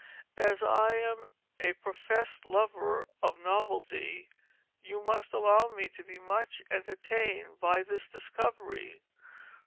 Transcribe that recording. As I am a profest lover of novelty you must alow me to be much entertained by this discovery.